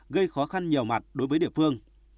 gây khó khăn nhiều mặt đối với địa phương